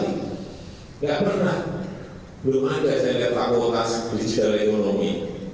tidak pernah belum ada jadwal fakultas digital ekonomi